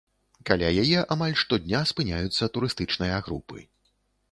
Каля яе амаль штодня спыняюцца турыстычныя групы.